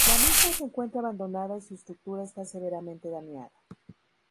La misma se encuentra abandonada y su estructura está severamente dañada.